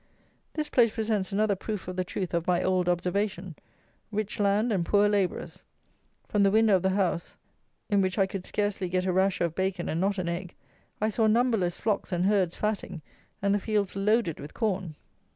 This place presents another proof of the truth of my old observation: rich land and poor labourers. From the window of the house, in which I could scarcely get a rasher of bacon, and not an egg, I saw numberless flocks and herds fatting, and the fields loaded with corn!